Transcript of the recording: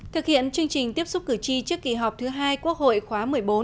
thực hiện chương trình tiếp xúc cử tri trước kỳ họp thứ hai quốc hội khóa một mươi bốn